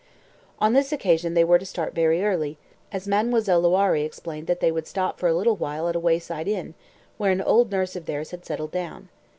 On this occasion they were to start very early, as Mademoiselle Loiré explained that they would stop for a little while at a wayside inn, where an old nurse of theirs had settled down.